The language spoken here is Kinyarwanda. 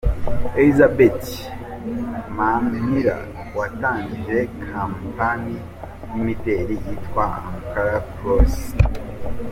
Elizabeth Mpamira watangije kampani y'imideri yitwa "Ankara Closet".